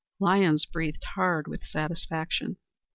Lyons breathed hard with satisfaction.